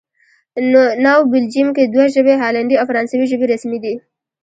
نو بلجیم کې دوه ژبې، هالندي او فرانسوي ژبې رسمي دي